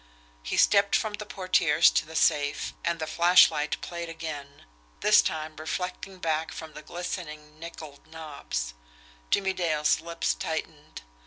He stepped from the portieres to the safe, and the flashlight played again this time reflecting back from the glistening nickelled knobs. Jimmie Dale's lips tightened.